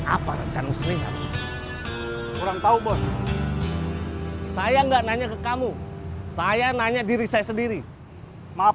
apa rencana mestinya kurang tahu bos saya enggak nanya ke kamu saya nanya diri saya sendiri maaf